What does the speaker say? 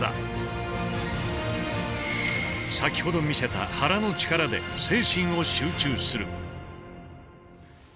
先ほど見せた肚の力で精神を集中する。